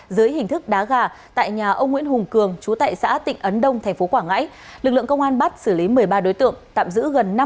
dưới hình thức đá gà tại nhà ông nguyễn hùng cường chú tại xã tịnh ấn đông tp quảng ngãi